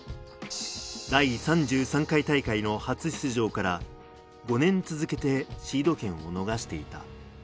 第３３回大会の初出場から５年続けてシード権を逃していた。